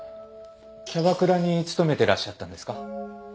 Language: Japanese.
キャバクラに勤めてらっしゃったんですか？